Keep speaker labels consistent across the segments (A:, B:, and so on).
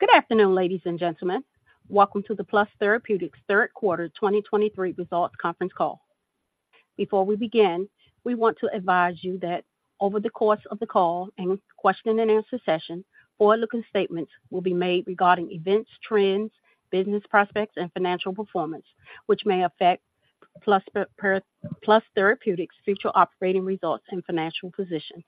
A: Good afternoon, ladies and gentlemen. Welcome to the Plus Therapeutics third quarter 2023 results conference call. Before we begin, we want to advise you that over the course of the call and question and answer session, forward-looking statements will be made regarding events, trends, business prospects, and financial performance, which may affect Plus Therapeutics' future operating results and financial position.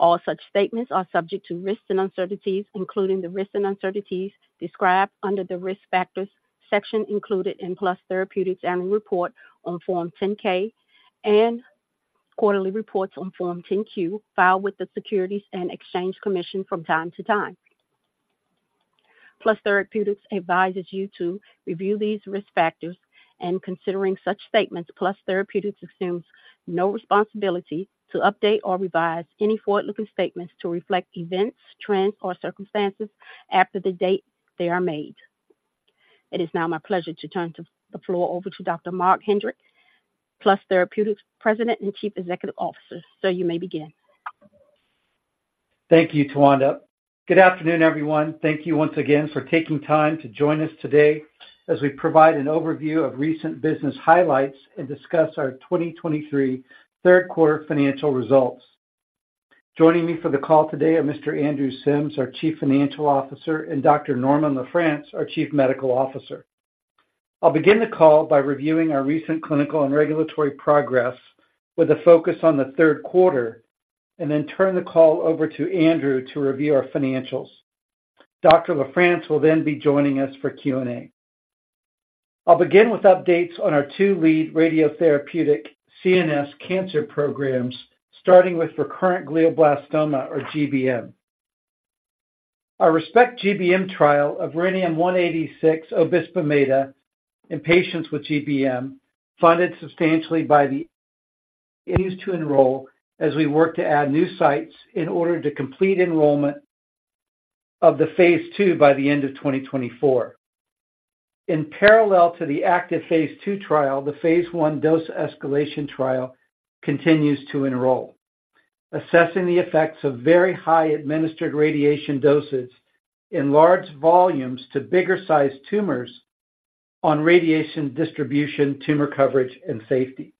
A: All such statements are subject to risks and uncertainties, including the risks and uncertainties described under the Risk Factors section included in Plus Therapeutics Annual Report on Form 10-K and quarterly reports on Form 10-Q, filed with the Securities and Exchange Commission from time to time. Plus Therapeutics advises you to review these risk factors. Considering such statements, Plus Therapeutics assumes no responsibility to update or revise any forward-looking statements to reflect events, trends, or circumstances after the date they are made. It is now my pleasure to turn the floor over to Dr. Marc Hedrick, Plus Therapeutics President and Chief Executive Officer. Sir, you may begin.
B: Thank you, Tawanda. Good afternoon, everyone. Thank you once again for taking time to join us today as we provide an overview of recent business highlights and discuss our 2023 third quarter financial results. Joining me for the call today are Mr. Andrew Sims, our Chief Financial Officer, and Dr. Norman LaFrance, our Chief Medical Officer. I'll begin the call by reviewing our recent clinical and regulatory progress with a focus on the third quarter, and then turn the call over to Andrew to review our financials. Dr. LaFrance will then be joining us for Q&A. I'll begin with updates on our two lead radiotherapeutic CNS cancer programs, starting with recurrent glioblastoma or GBM. Our ReSPECT-GBM trial of rhenium-186 obisbemeda in patients with GBM, funded substantially by the [NCI]continues to enroll as we work to add new sites in order to complete enrollment of the phase II by the end of 2024. In parallel to the active phase II trial, the phase I dose escalation trial continues to enroll, assessing the effects of very high administered radiation doses in large volumes to bigger-sized tumors on radiation distribution, tumor coverage, and safety.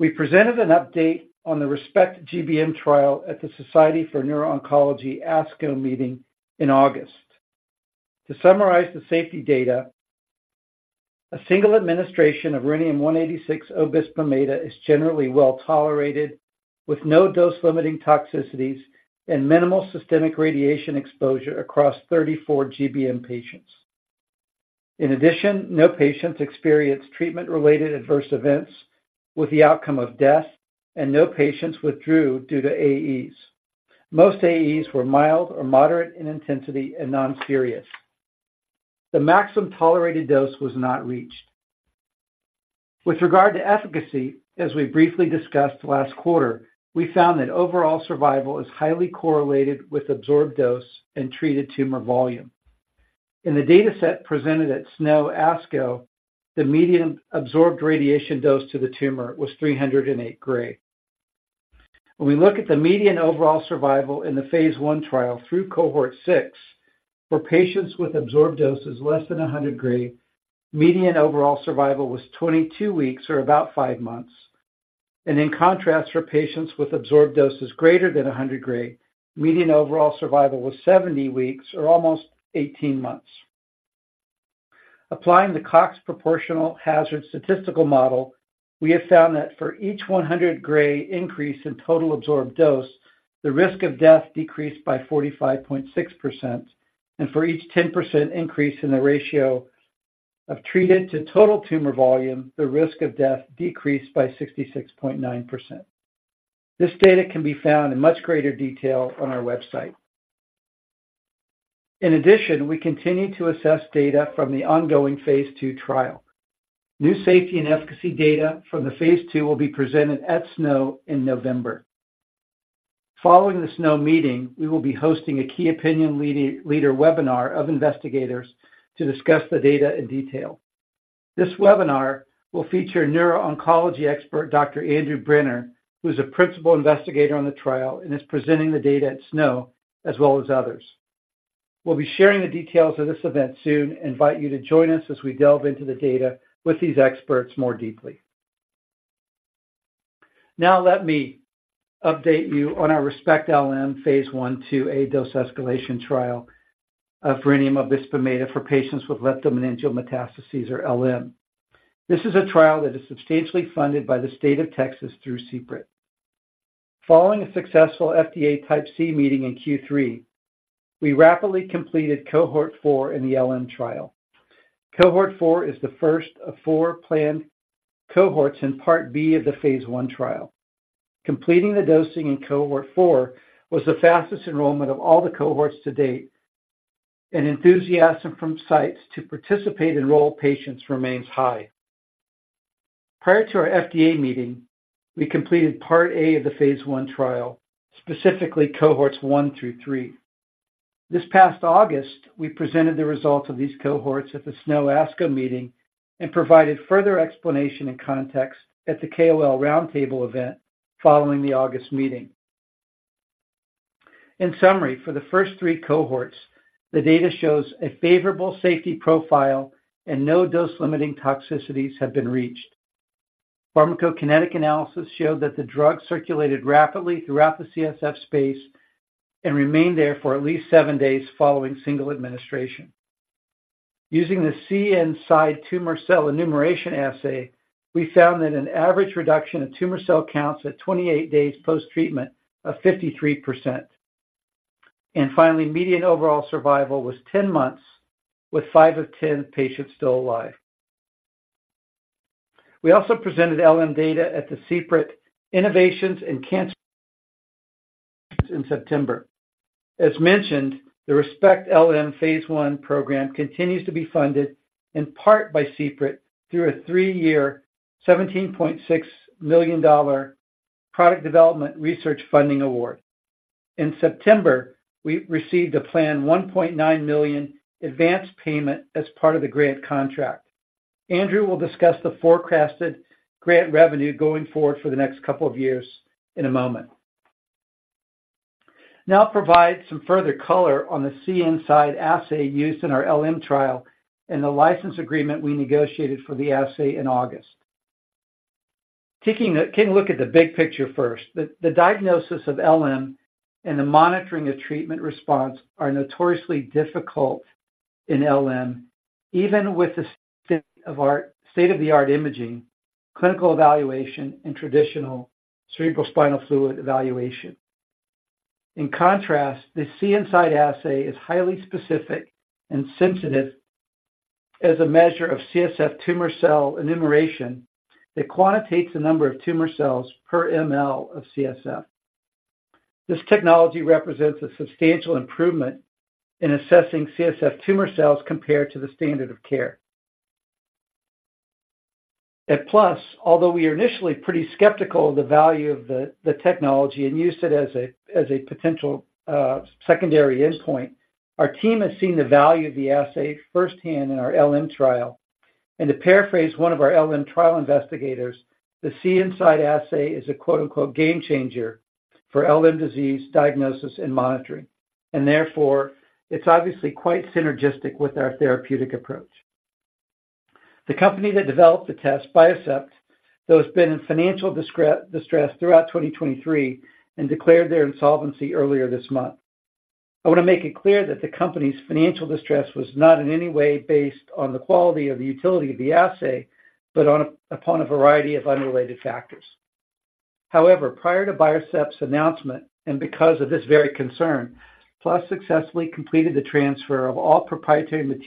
B: We presented an update on the ReSPECT-GBM trial at the Society for Neuro-Oncology ASCO meeting in August. To summarize the safety data, a single administration of rhenium-186 obisbemeda is generally well-tolerated, with no dose-limiting toxicities and minimal systemic radiation exposure across 34 GBM patients. In addition, no patients experienced treatment-related adverse events with the outcome of death, and no patients withdrew due to AEs. Most AEs were mild or moderate in intensity and non-serious. The maximum tolerated dose was not reached. With regard to efficacy, as we briefly discussed last quarter, we found that overall survival is highly correlated with absorbed dose and treated tumor volume. In the dataset presented at SNO-ASCO, the median absorbed radiation dose to the tumor was 308 gray. When we look at the median overall survival in the phase I trial through cohort six, for patients with absorbed doses less than 100 gray, median overall survival was 22 weeks or about five months. And in contrast, for patients with absorbed doses greater than 100 gray, median overall survival was 70 weeks or almost 18 months. Applying the Cox proportional hazard statistical model, we have found that for each 100 gray increase in total absorbed dose, the risk of death decreased by 45.6%, and for each 10% increase in the ratio of treated to total tumor volume, the risk of death decreased by 66.9%. This data can be found in much greater detail on our website. In addition, we continue to assess data from the ongoing phase II trial. New safety and efficacy data from the phase II will be presented at SNO in November. Following the SNO meeting, we will be hosting a key opinion leader webinar of investigators to discuss the data in detail. This webinar will feature neuro-oncology expert, Dr. Andrew Brenner, who is a principal investigator on the trial and is presenting the data at SNO, as well as others. We'll be sharing the details of this event soon and invite you to join us as we delve into the data with these experts more deeply. Now, let me update you on our ReSPECT-LM phase I/IIa dose escalation trial of rhenium obisbemeda for patients with leptomeningeal metastases or LM. This is a trial that is substantially funded by the State of Texas through CPRIT. Following a successful FDA Type C meeting in Q3, we rapidly completed cohort four in the LM trial. Cohort four is the first of four planned cohorts in part B of the phase I trial. Completing the dosing in cohort four was the fastest enrollment of all the cohorts to date, and enthusiasm from sites to participate enroll patients remains high. Prior to our FDA meeting, we completed part A of the phase I trial, specifically cohorts one, two, three. This past August, we presented the results of these cohorts at the SNO-ASCO meeting and provided further explanation and context at the KOL roundtable event following the August meeting. In summary, for the first three cohorts, the data shows a favorable safety profile and no dose-limiting toxicities have been reached. Pharmacokinetic analysis showed that the drug circulated rapidly throughout the CSF space and remained there for at least seven days following single administration. Using the CNSide tumor cell enumeration assay, we found that an average reduction in tumor cell counts at 28 days post-treatment of 53%. And finally, median overall survival was 10 months, with five of 10 patients still alive. We also presented the LM data at the CPRIT Innovations in Cancer in September. As mentioned, the ReSPECT-LM phase I program continues to be funded in part by CPRIT through a three-year, $17.6 million product development research funding award. In September, we received a planned $1.9 million advance payment as part of the grant contract. Andrew will discuss the forecasted grant revenue going forward for the next couple of years in a moment. Now I'll provide some further color on the CNSide assay used in our LM trial and the license agreement we negotiated for the assay in August. Taking a look at the big picture first, the diagnosis of LM and the monitoring of treatment response are notoriously difficult in LM, even with the state-of-the-art imaging, clinical evaluation, and traditional cerebrospinal fluid evaluation. In contrast, the CNSide assay is highly specific and sensitive as a measure of CSF tumor cell enumeration that quantitates the number of tumor cells per ml of CSF. This technology represents a substantial improvement in assessing CSF tumor cells compared to the standard of care. At Plus, although we are initially pretty skeptical of the value of the, the technology and used it as a, as a potential, secondary endpoint, our team has seen the value of the assay firsthand in our LM trial. And to paraphrase one of our LM trial investigators, the CNSide assay is a quote, unquote, “game changer” for LM disease diagnosis and monitoring, and therefore, it's obviously quite synergistic with our therapeutic approach. The company that developed the test, Biocept, though, has been in financial distress throughout 2023 and declared their insolvency earlier this month. I want to make it clear that the company's financial distress was not in any way based on the quality or the utility of the assay, but upon a variety of unrelated factors. However, prior to Biocept's announcement, and because of this very concern, Plus successfully completed the transfer of all proprietary materials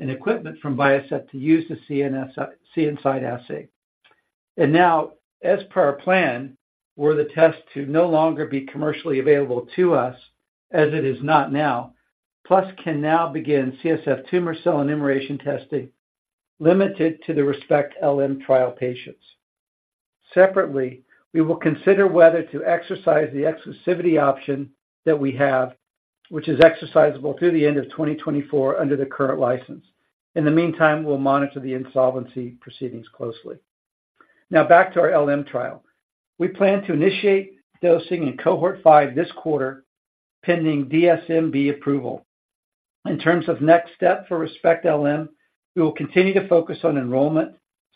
B: and equipment from Biocept to use the CNSide assay. And now, as per our plan, were the test to no longer be commercially available to us, as it is not now, Plus can now begin CSF tumor cell enumeration testing, limited to the ReSPECT-LM trial patients. Separately, we will consider whether to exercise the exclusivity option that we have, which is exercisable through the end of 2024 under the current license. In the meantime, we'll monitor the insolvency proceedings closely. Now back to our LM trial. We plan to initiate dosing in cohort five this quarter, pending DSMB approval. In terms of next step for ReSPECT-LM, we will continue to focus on enrollment,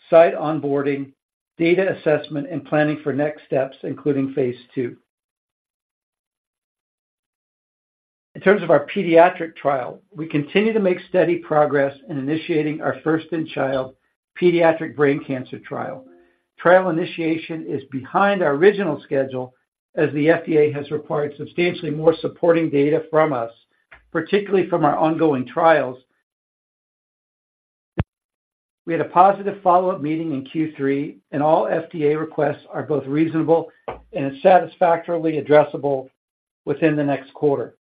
B: site onboarding, data assessment, and planning for next steps, including phase II. In terms of our pediatric trial, we continue to make steady progress in initiating our first in child pediatric brain cancer trial. Trial initiation is behind our original schedule, as the FDA has required substantially more supporting data from us, particularly from our ongoing trials. We had a positive follow-up meeting in Q3, and all FDA requests are both reasonable and satisfactorily addressable within the next quarter.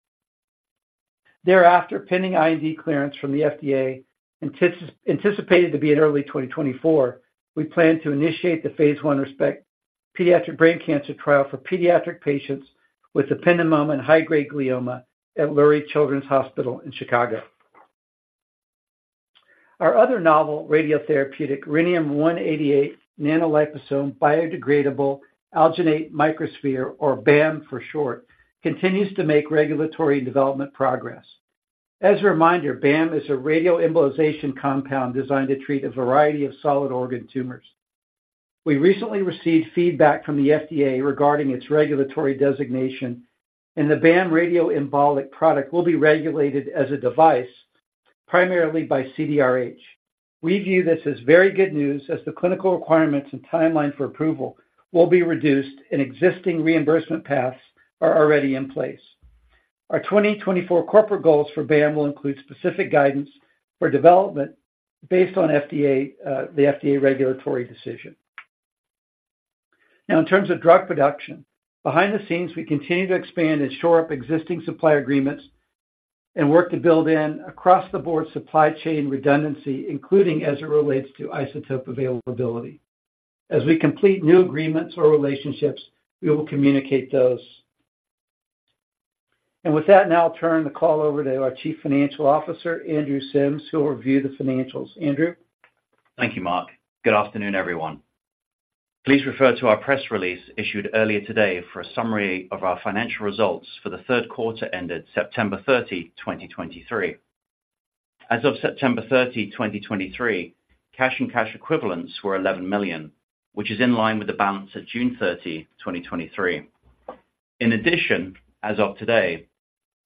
B: Thereafter, pending IND clearance from the FDA, anticipated to be in early 2024, we plan to initiate the phase I ReSPECT pediatric brain cancer trial for pediatric patients with ependymoma and high-grade glioma at Lurie Children's Hospital in Chicago. Our other novel, radiotherapeutic, rhenium-188 nanoliposome, biodegradable alginate microsphere, or BAM for short, continues to make regulatory and development progress. As a reminder, BAM is a radioembolization compound designed to treat a variety of solid organ tumors. We recently received feedback from the FDA regarding its regulatory designation, and the BAM radioembolic product will be regulated as a device, primarily by CDRH. We view this as very good news, as the clinical requirements and timeline for approval will be reduced, and existing reimbursement paths are already in place. Our 2024 corporate goals for BAM will include specific guidance for development based on FDA, the FDA regulatory decision. Now in terms of drug production, behind the scenes, we continue to expand and shore up existing supply agreements and work to build in across-the-board supply chain redundancy, including as it relates to isotope availability. As we complete new agreements or relationships, we will communicate those... With that, now I'll turn the call over to our Chief Financial Officer, Andrew Sims, who will review the financials. Andrew?
C: Thank you, Marc. Good afternoon, everyone. Please refer to our press release issued earlier today for a summary of our financial results for the third quarter ended September 30, 2023. As of September 30, 2023, cash and cash equivalents were $11 million, which is in line with the balance at June 30, 2023. In addition, as of today,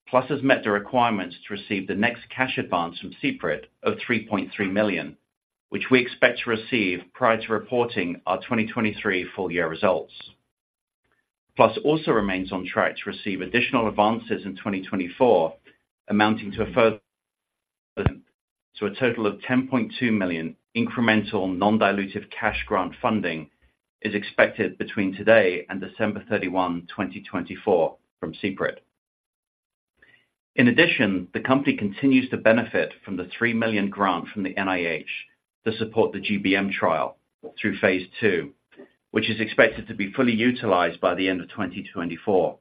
C: Plus has met the requirements to receive the next cash advance from CPRIT of $3.3 million, which we expect to receive prior to reporting our 2023 full year results. Plus also remains on track to receive additional advances in 2024, amounting to a further- to a total of $10.2 million incremental non-dilutive cash grant funding is expected between today and December 31, 2024 from CPRIT. In addition, the company continues to benefit from the $3 million grant from the NIH to support the GBM trial through phase II, which is expected to be fully utilized by the end of 2024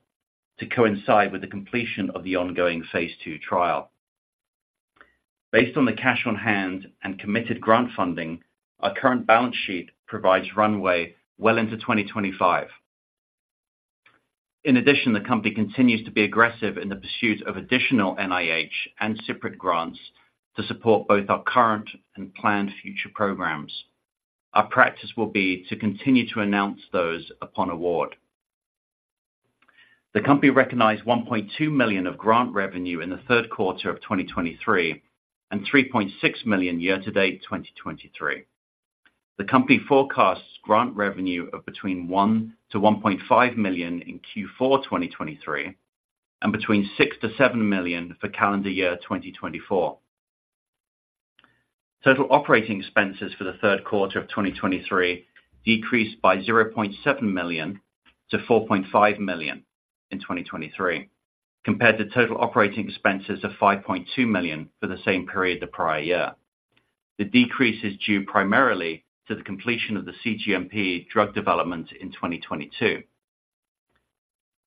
C: to coincide with the completion of the ongoing phase II trial. Based on the cash on hand and committed grant funding, our current balance sheet provides runway well into 2025. In addition, the company continues to be aggressive in the pursuit of additional NIH and CPRIT grants to support both our current and planned future programs. Our practice will be to continue to announce those upon award. The company recognized $1.2 million of grant revenue in the third quarter of 2023, and $3.6 million year-to-date 2023. The company forecasts grant revenue of between $1 million-$1.5 million in Q4 2023, and between $6 million-$7 million for calendar year 2024. Total operating expenses for the third quarter of 2023 decreased by $0.7 million to $4.5 million in 2023, compared to total operating expenses of $5.2 million for the same period the prior year. The decrease is due primarily to the completion of the CGMP drug development in 2022.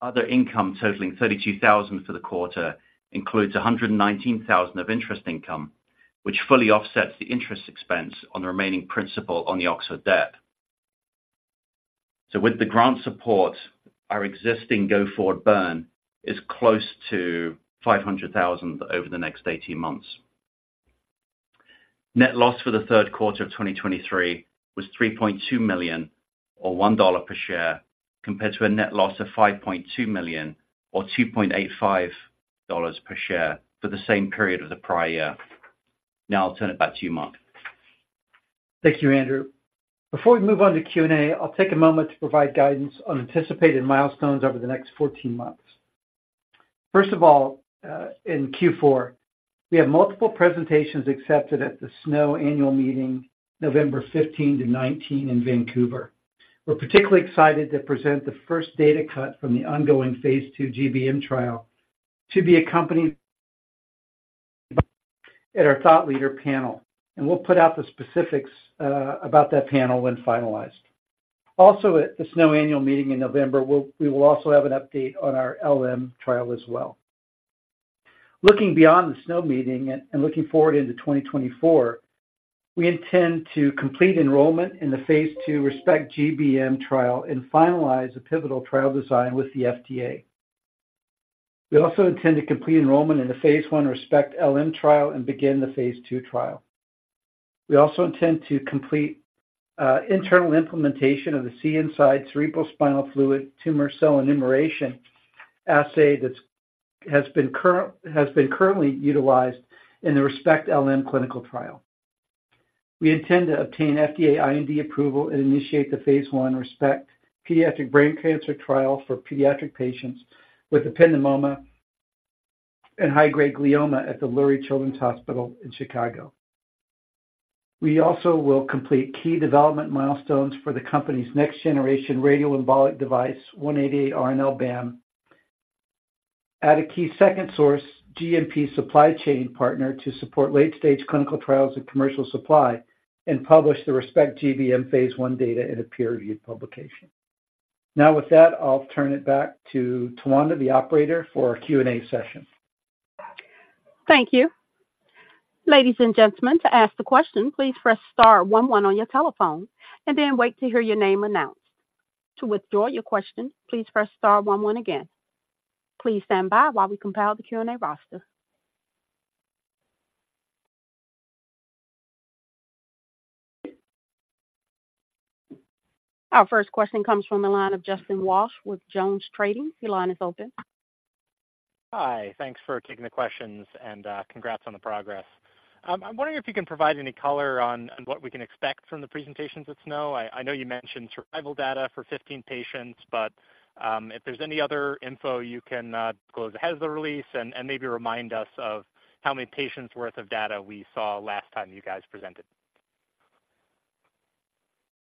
C: Other income totaling $32,000 for the quarter includes $119,000 of interest income, which fully offsets the interest expense on the remaining principal on the Oxford debt. So with the grant support, our existing go-forward burn is close to $500,000 over the next 18 months. Net loss for the third quarter of 2023 was $3.2 million, or $1 per share, compared to a net loss of $5.2 million, or $2.85 per share for the same period of the prior year. Now I'll turn it back to you, Marc.
B: Thank you, Andrew. Before we move on to Q&A, I'll take a moment to provide guidance on anticipated milestones over the next 14 months. First of all, in Q4, we have multiple presentations accepted at the SNO Annual Meeting, November 15-19 in Vancouver. We're particularly excited to present the first data cut from the ongoing phase II GBM trial to be accompanied at our thought leader panel, and we'll put out the specifics about that panel when finalized. Also, at the SNO Annual Meeting in November, we will also have an update on our LM trial as well. Looking beyond the SNO meeting and looking forward into 2024, we intend to complete enrollment in the phase II ReSPECT-GBM trial and finalize the pivotal trial design with the FDA. We also intend to complete enrollment in the phase I ReSPECT-LM trial and begin the phase II trial. We also intend to complete internal implementation of the CNSide cerebrospinal fluid tumor cell enumeration assay that's been currently utilized in the ReSPECT-LM clinical trial. We intend to obtain FDA IND approval and initiate the phase I ReSPECT pediatric brain cancer trial for pediatric patients with ependymoma and high-grade glioma at the Lurie Children's Hospital in Chicago. We also will complete key development milestones for the company's next-generation radioembolic device, 188-RNL-BAM, add a key second source GMP supply chain partner to support late-stage clinical trials and commercial supply, and publish the ReSPECT-GBM phase I data in a peer-reviewed publication. Now, with that, I'll turn it back to Tawanda, the operator, for our Q&A session.
A: Thank you. Ladies and gentlemen, to ask the question, please press star one one on your telephone and then wait to hear your name announced. To withdraw your question, please press star one one again. Please stand by while we compile the Q&A roster. Our first question comes from the line of Justin Walsh with JonesTrading. Your line is open.
D: Hi. Thanks for taking the questions, and congrats on the progress. I'm wondering if you can provide any color on what we can expect from the presentations at SNO. I know you mentioned survival data for 15 patients, but if there's any other info you can go ahead as the release and maybe remind us of how many patients' worth of data we saw last time you guys presented.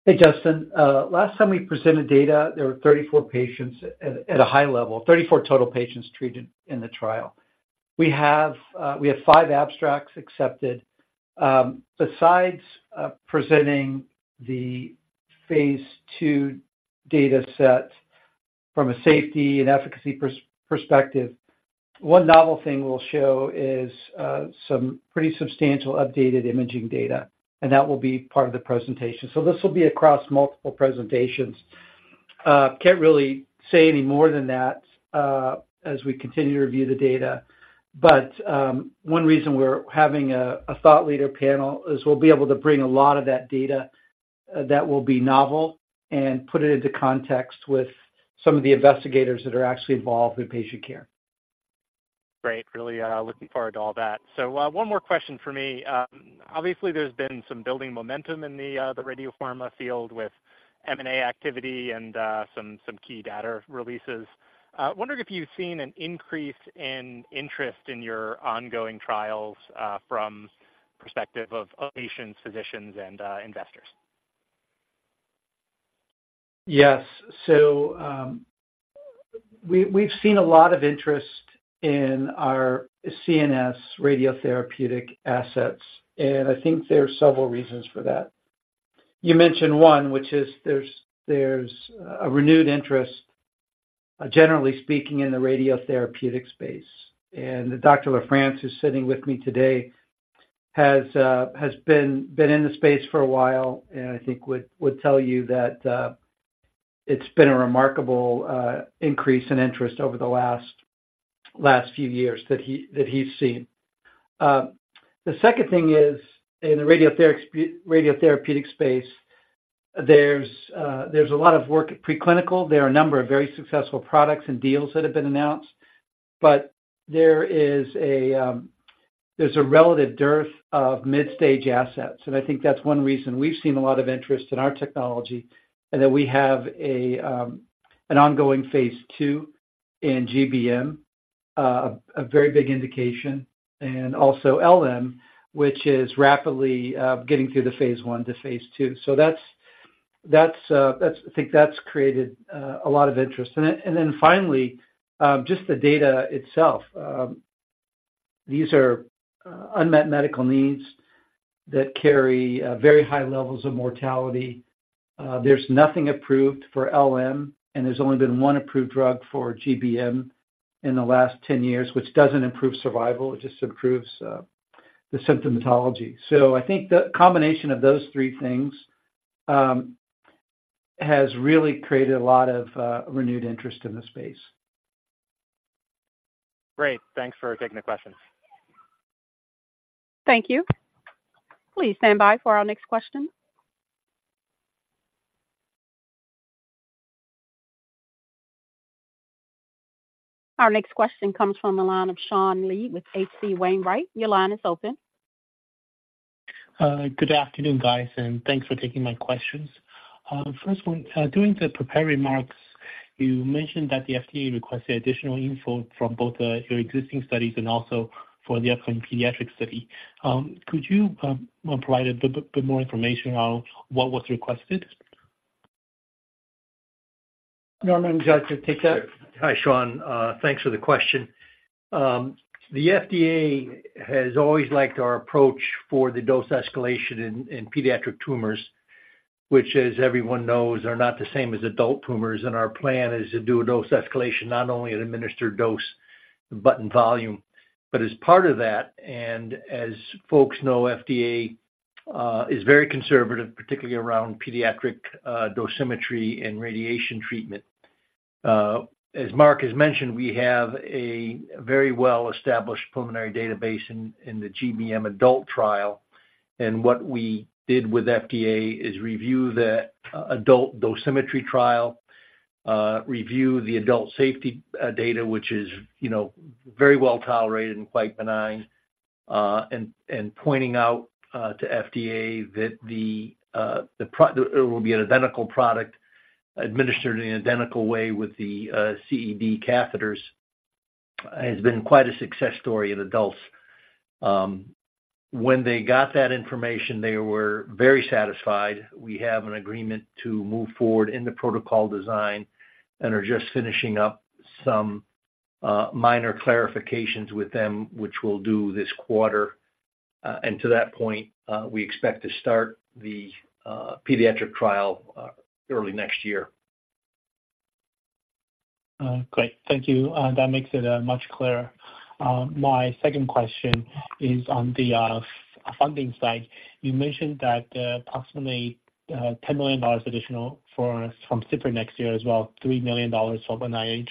B: Hey, Justin. Last time we presented data, there were 34 patients at a high level, 34 total patients treated in the trial. We have five abstracts accepted. Besides presenting the phase II data set from a safety and efficacy perspective, one novel thing we'll show is some pretty substantial updated imaging data, and that will be part of the presentation. So this will be across multiple presentations. Can't really say any more than that as we continue to review the data. But one reason we're having a thought leader panel is we'll be able to bring a lot of that data that will be novel and put it into context with some of the investigators that are actually involved in patient care.
D: Great. Really, looking forward to all that. So, one more question for me. Obviously, there's been some building momentum in the, the radio pharma field with M&A activity and, some key data releases. Wondering if you've seen an increase in interest in your ongoing trials, from perspective of, patients, physicians, and, investors?
B: Yes. So, we, we've seen a lot of interest in our CNS radiotherapeutic assets, and I think there are several reasons for that. You mentioned one, which is there's a renewed interest, generally speaking, in the radiotherapeutic space. And Dr. LaFrance, who's sitting with me today, has been in the space for a while, and I think would tell you that, it's been a remarkable increase in interest over the last few years that he's seen. The second thing is, in the radiotherapeutic space, there's a lot of work at preclinical. There are a number of very successful products and deals that have been announced, but there is a, there's a relative dearth of mid-stage assets, and I think that's one reason we've seen a lot of interest in our technology, and that we have a, an ongoing Phase II in GBM, a very big indication, and also LM, which is rapidly, getting through the Phase I to Phase II. So that's, I think that's created, a lot of interest in it. And then finally, just the data itself. These are, unmet medical needs that carry, very high levels of mortality. There's nothing approved for LM, and there's only been one approved drug for GBM in the last 10 years, which doesn't improve survival, it just improves, the symptomatology. I think the combination of those three things has really created a lot of renewed interest in the space.
D: Great. Thanks for taking the questions.
A: Thank you. Please stand by for our next question. Our next question comes from the line of Sean Lee with H.C. Wainwright. Your line is open.
E: Good afternoon, guys, and thanks for taking my questions. First one, during the prepared remarks, you mentioned that the FDA requested additional info from both your existing studies and also for the upcoming pediatric study. Could you provide a bit more information on what was requested?
B: Norman, would you like to take that?
F: Hi, Sean. Thanks for the question. The FDA has always liked our approach for the dose escalation in pediatric tumors, which, as everyone knows, are not the same as adult tumors. And our plan is to do a dose escalation, not only at administered dose but in volume. But as part of that, and as folks know, FDA is very conservative, particularly around pediatric dosimetry and radiation treatment. As Marc has mentioned, we have a very well-established preliminary database in the GBM adult trial, and what we did with FDA is review the adult dosimetry trial, review the adult safety data, which is, you know, very well tolerated and quite benign, and pointing out to FDA that it will be an identical product, administered in an identical way with the CED catheters, has been quite a success story in adults. When they got that information, they were very satisfied. We have an agreement to move forward in the protocol design and are just finishing up some minor clarifications with them, which we'll do this quarter. And to that point, we expect to start the pediatric trial early next year.
E: Great. Thank you. That makes it much clearer. My second question is on the funding side. You mentioned that approximately $10 million additional from CPRIT next year, as well, $3 million from NIH.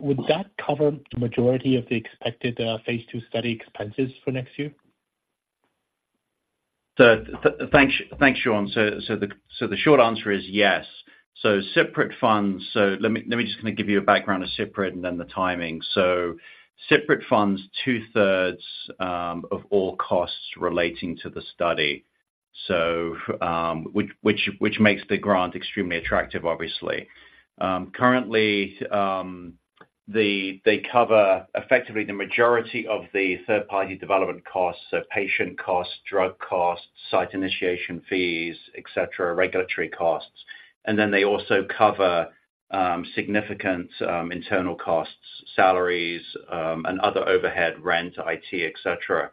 E: Would that cover the majority of the expected phase II study expenses for next year?
F: Thanks, Sean. So the short answer is yes. So CPRIT funds. So let me just kinda give you a background of CPRIT and then the timing. So CPRIT funds 2/3 of all costs relating to the study, so which makes the grant extremely attractive, obviously. Currently, they cover effectively the majority of the third-party development costs, so patient costs, drug costs, site initiation fees, et cetera, regulatory costs and then they also cover significant internal costs, salaries, and other overhead, rent, IT, et cetera.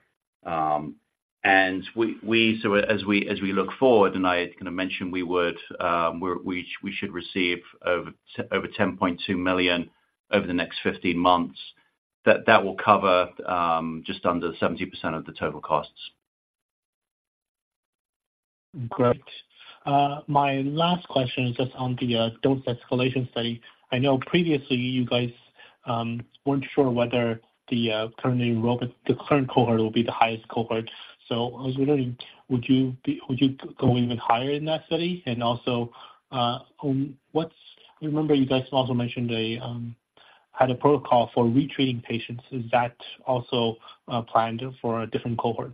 F: And we, so as we look forward, and I kind of mentioned we would receive over $10.2 million over the next 15 months, that will cover just under 70% of the total costs.
E: Great. My last question is just on the dose escalation study. I know previously you guys weren't sure whether the currently enrolled, the current cohort will be the highest cohort. So I was wondering, would you go even higher in that study? And also, I remember you guys also mentioned a had a protocol for retreating patients. Is that also planned for a different cohort?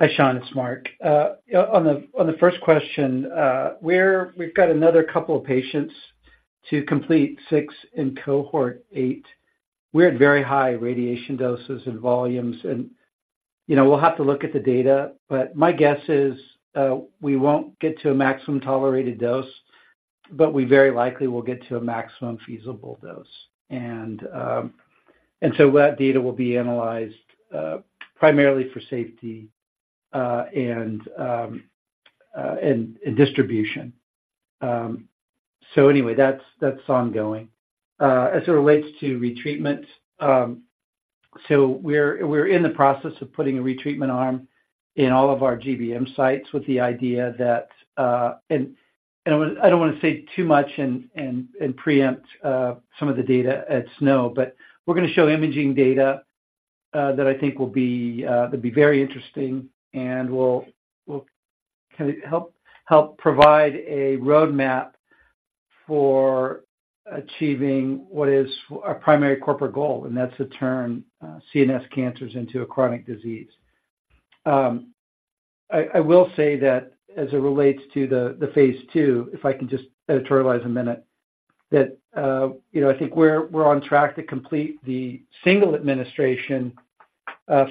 B: Hi, Sean, it's Marc. Yeah, on the first question, we've got another couple of patients to complete, six in cohort eight. We're at very high radiation doses and volumes and, you know, we'll have to look at the data, but my guess is, we won't get to a maximum tolerated dose, but we very likely will get to a maximum feasible dose. And so that data will be analyzed primarily for safety and distribution. So anyway, that's ongoing. As it relates to retreatment, so we're in the process of putting a retreatment arm in all of our GBM sites with the idea that. I don't wanna say too much and preempt some of the data at SNO, but we're gonna show imaging data that I think will be that'd be very interesting and will kind of help provide a roadmap for achieving what is our primary corporate goal, and that's to turn CNS cancers into a chronic disease. I will say that as it relates to the phase II, if I can just editorialize a minute, you know, I think we're on track to complete the single administration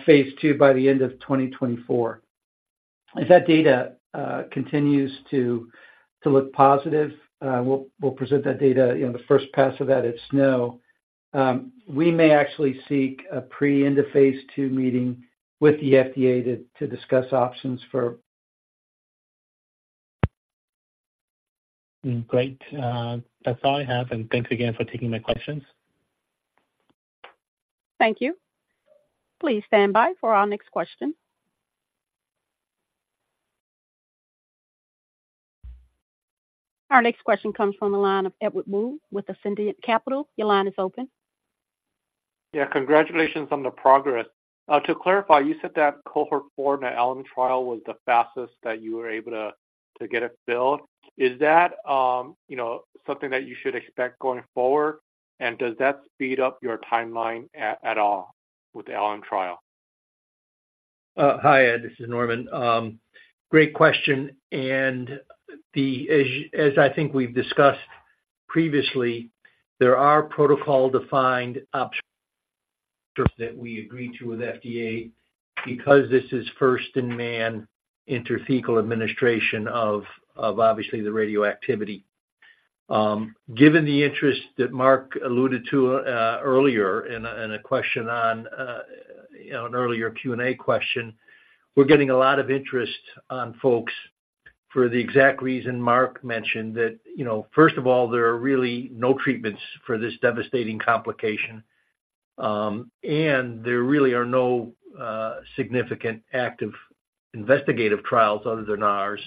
B: phase II by the end of 2024. As that data continues to look positive, we'll present that data, you know, the first pass of that at SNO. We may actually seek a pre-end-of-phase II meeting with the FDA to discuss options for-
E: Great. That's all I have, and thanks again for taking my questions.
A: Thank you. Please stand by for our next question. Our next question comes from the line of Edward Woo with Ascendiant Capital. Your line is open.
G: Yeah, congratulations on the progress. To clarify, you said that cohort four in the LM trial was the fastest that you were able to get it filled. Is that, you know, something that you should expect going forward? And does that speed up your timeline at all with the LM trial?
F: Hi, Ed, this is Norman. Great question, and as I think we've discussed previously, there are protocol-defined options that we agreed to with FDA because this is first-in-man intrathecal administration of obviously the radioactivity. Given the interest that Marc alluded to earlier in a question on, you know, an earlier Q&A question, we're getting a lot of interest from folks for the exact reason Marc mentioned, that, you know, first of all, there are really no treatments for this devastating complication, and there really are no significant active investigative trials other than ours.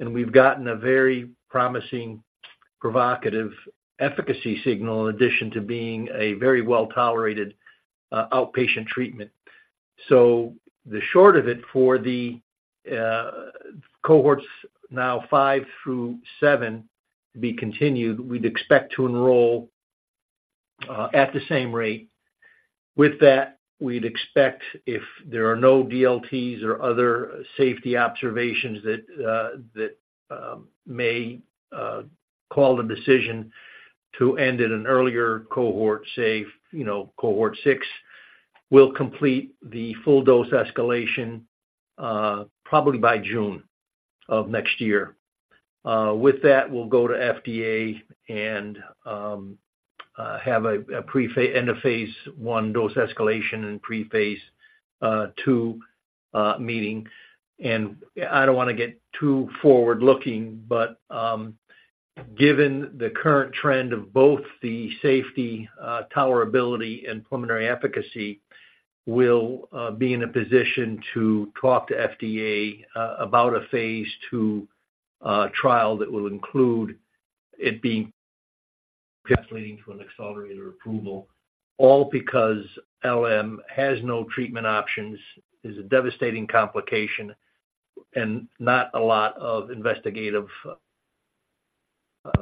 F: And we've gotten a very promising, provocative efficacy signal, in addition to being a very well-tolerated outpatient treatment. So the short of it, for the cohorts five through seven to be continued, we'd expect to enroll at the same rate. With that, we'd expect if there are no DLTs or other safety observations that may call the decision to end at an earlier cohort, say, you know, cohort six, we'll complete the full dose escalation, probably by June of next year. With that, we'll go to FDA and have an end of phase I dose escalation and pre-phase II meeting. I don't wanna get too forward-looking, but, given the current trend of both the safety, tolerability and preliminary efficacy, we'll be in a position to talk to FDA about a phase II trial that will include it being leading to an accelerated approval, all because LM has no treatment options, is a devastating complication, and not a lot of investigative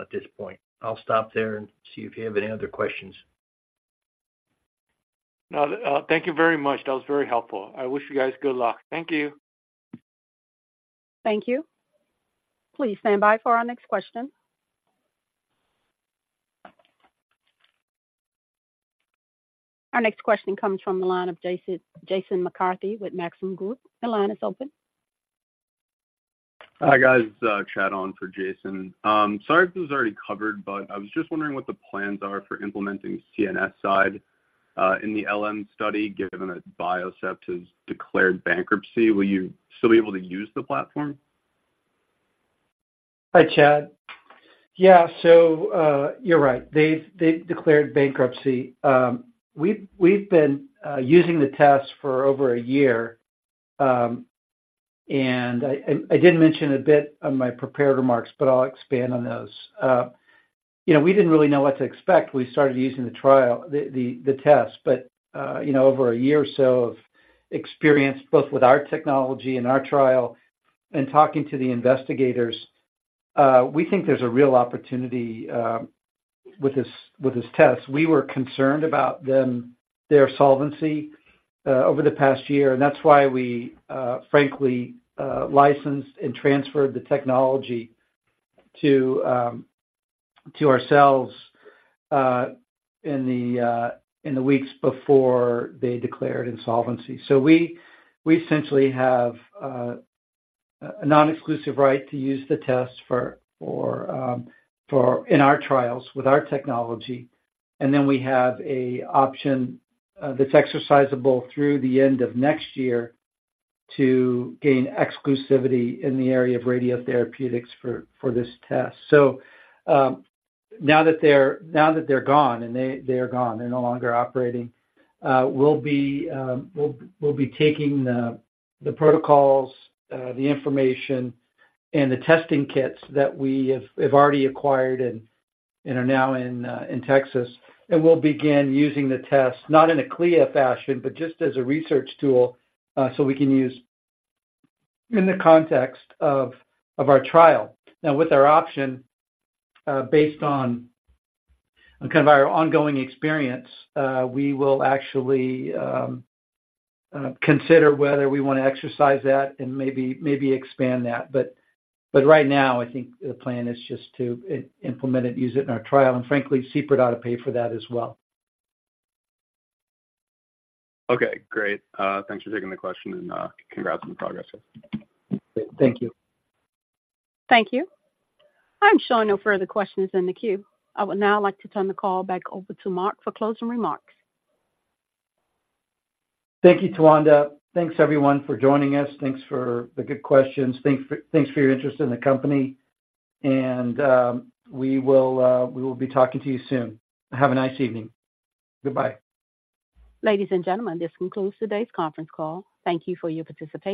F: at this point. I'll stop there and see if you have any other questions.
G: No, thank you very much. That was very helpful. I wish you guys good luck. Thank you.
A: Thank you. Please stand by for our next question. Our next question comes from the line of Jason, Jason McCarthy with Maxim Group. Your line is open.
H: Hi, guys. Chad on for Jason. Sorry if this was already covered, but I was just wondering what the plans are for implementing CNSide in the LM study, given that Biocept has declared bankruptcy. Will you still be able to use the platform?
B: Hi, Chad. Yeah, so you're right. They've declared bankruptcy. We've been using the test for over a year, and I did mention a bit on my prepared remarks, but I'll expand on those. You know, we didn't really know what to expect when we started using the test, but you know, over a year or so of experience, both with our technology and our trial and talking to the investigators, we think there's a real opportunity with this test. We were concerned about their solvency over the past year, and that's why we frankly licensed and transferred the technology to ourselves in the weeks before they declared insolvency. So we essentially have a non-exclusive right to use the test for in our trials with our technology, and then we have an option that's exercisable through the end of next year to gain exclusivity in the area of radiotherapeutics for this test. So now that they're gone, and they are gone, they're no longer operating, we'll be taking the protocols, the information and the testing kits that we have already acquired and are now in Texas. And we'll begin using the test, not in a CLIA fashion, but just as a research tool, so we can use in the context of our trial. Now, with our option, based on kind of our ongoing experience, we will actually consider whether we wanna exercise that and maybe expand that. But right now, I think the plan is just to implement it and use it in our trial, and frankly, we'll pay for that as well.
H: Okay, great. Thanks for taking the question, and congrats on the progress.
B: Thank you.
A: Thank you. I'm showing no further questions in the queue. I would now like to turn the call back over to Marc for closing remarks.
B: Thank you, Tawanda. Thanks, everyone, for joining us. Thanks for the good questions. Thanks for your interest in the company, and we will be talking to you soon. Have a nice evening. Goodbye.
A: Ladies and gentlemen, this concludes today's conference call. Thank you for your participation.